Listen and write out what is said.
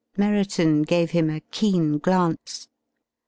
Merriton gave him a keen glance.